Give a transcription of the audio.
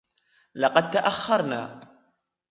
لقد تأخرنا.